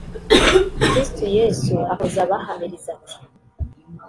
Kristo Yesu akomeza abahamiriza ati